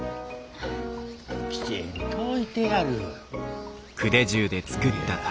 きちんと置いてやる。